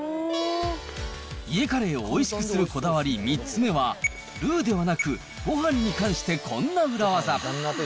家カレーをおいしくするこだわり、３つ目は、ルーではなくごはんに関してこんな裏技。